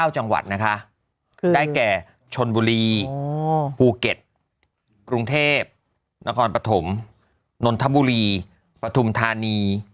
๙จังหวัดนะคะได้แก่ชนบุรีภูเก็ตกรุงเทพนครปฐมนนทบุรีปฐุมธานี